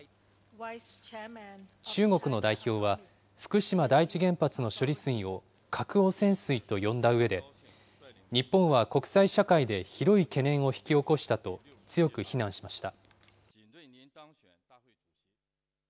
中国の代表は、福島第一原発の処理水を核汚染水と呼んだうえで、日本は国際社会で広い懸念を引き起こしたと強く非難しました。